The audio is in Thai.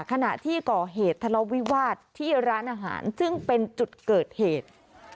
ขณะที่ก่อเหตุทะเลาวิวาสที่ร้านอาหารซึ่งเป็นจุดเกิดเหตุ